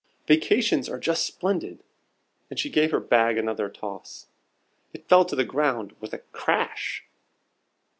Vacations are just splendid!" and she gave her bag another toss. It fell to the ground with a crash.